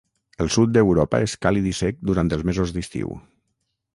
El sud d'Europa és càlid i sec durant els mesos d'estiu.